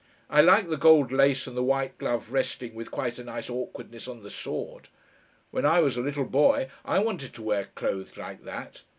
I like the gold lace and the white glove resting, with quite a nice awkwardness, on the sword. When I was a little boy I wanted to wear clothes like that.